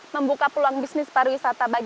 membuka peluang bisnis para wisata bagi desa wonosalam